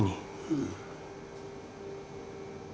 うん。